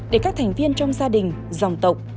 để các thành viên trong gia đình dòng tộc